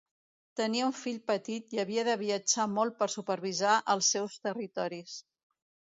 Tenia un fill petit i havia de viatjar molt per supervisar els seus territoris.